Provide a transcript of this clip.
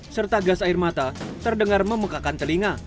serta gas air mata terdengar memekakan telinga